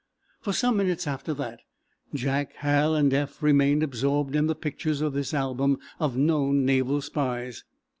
For some minutes after that Jack, Hal and Eph remained absorbed in the pictures in this album of known naval spies.